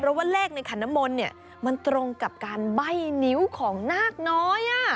เพราะว่าเลขในขันน้ำมนต์เนี่ยมันตรงกับการใบ้นิ้วของนาคน้อย